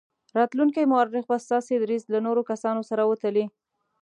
راتلونکی مورخ به ستاسې دریځ له نورو کسانو سره وتلي.